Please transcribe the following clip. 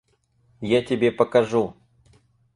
Я тебе покажу.